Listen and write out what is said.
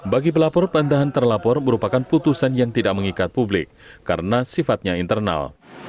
bagi pelapor bandahan terlapor merupakan putusan yang tidak mengikat publik karena sifatnya internal